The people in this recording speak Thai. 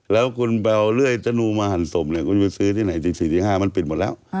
แล้วคุณเปล่าเรื่อยจนูมาหั่นสมเนี้ยคุณไปซื้อที่ไหนจริงจริงที่ห้ามันปิดหมดแล้วอ่า